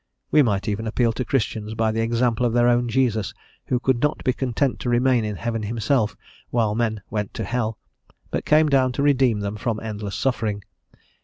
We might even appeal to Christians by the example of their own Jesus, who could not be content to remain in heaven himself while men went to hell, but came down to redeem them from endless suffering.